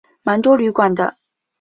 蛮多旅馆的